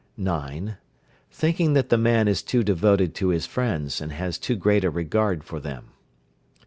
9. Thinking that the man is too devoted to his friends, and has too great a regard for them.